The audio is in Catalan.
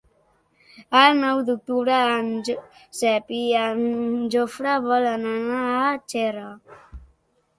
El nou d'octubre en Josep i en Jofre volen anar a Xera.